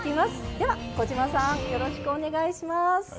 では小島さんよろしくお願いします。